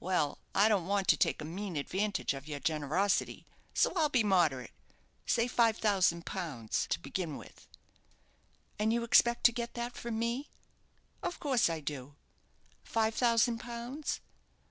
"Well, I don't want to take a mean advantage of your generosity, so I'll be moderate. Say five thousand pounds to begin with." "And you expect to get that from me?" "Of course I do." "Five thousand pounds?"